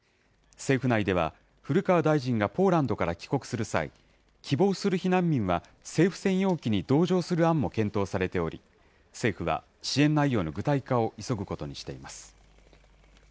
政府内では、古川大臣がポーランドから帰国する際、希望する避難民は、政府専用機に同乗する案も検討されており、政府は支援内容の具体化を急ぐことにしています。